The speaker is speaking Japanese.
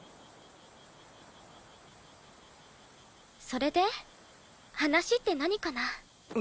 それで話って何かな？